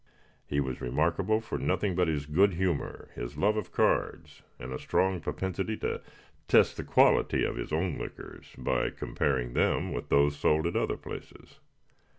He was remarkable for nothing but his good humor, his love of cards, and a strong propensity to test the quality of his own liquors by comparing them with those sold at other places.